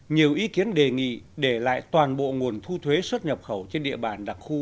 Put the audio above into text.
nhiều ý kiến đề nghị để lại toàn bộ nguồn thu thuế xuất nhập khẩu trên địa bàn đặc khu